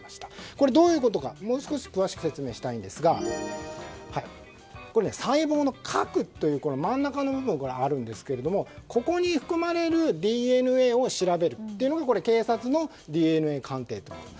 これ、どういうことかもう少し詳しく説明したいんですが細胞の核という真ん中の部分があるんですがここに含まれるＤＮＡを調べるというのが検察のＤＮＡ鑑定。